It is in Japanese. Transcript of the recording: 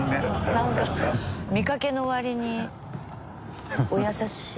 なんか見かけの割にお優しい。